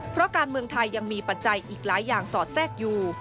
เพราะการเมืองไทยยังมีปัจจัยอีกหลายอย่างสอดแทรกอยู่